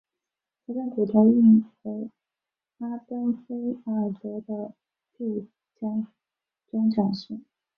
他将骨头运回哈登菲尔德的住家中展示。